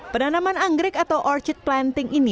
penanaman anggrek atau orchid planting ini